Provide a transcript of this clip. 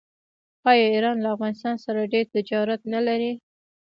آیا ایران له افغانستان سره ډیر تجارت نلري؟